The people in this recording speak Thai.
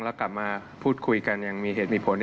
แล้วกลับมาพูดคุยกันอย่างมีเหตุมีผล